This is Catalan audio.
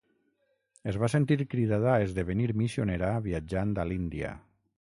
Es va sentir cridada a esdevenir missionera viatjant a l'Índia.